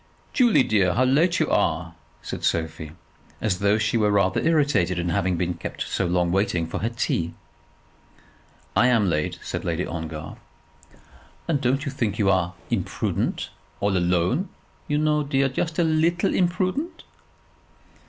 "Julie, dear, how late you are," said Sophie, as though she were rather irritated in having been kept so long waiting for her tea. "I am late," said Lady Ongar. "And don't you think you are imprudent, all alone, you know, dear; just a leetle imprudent."